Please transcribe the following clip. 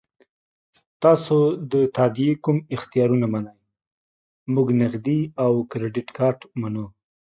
تاسو د تادیې کوم اختیارونه منئ؟ موږ نغدي او کریډیټ کارت منو.